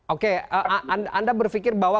oke anda berpikir bahwa